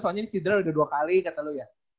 soalnya ini cidra udah dua kali kata lu ya